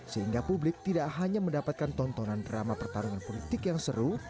sehingga publik tidak hanya mendapatkan tontonan drama pertarungan politik yang seru